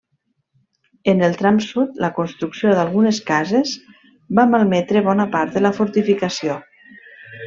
En el tram sud, la construcció d'algunes cases va malmetre bona part de la fortificació.